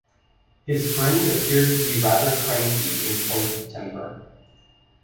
His friend appeared to be rather cranky in point of temper.